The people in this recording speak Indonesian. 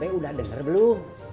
be kamu udah denger belum